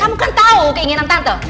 kamu kan tahu keinginan tarto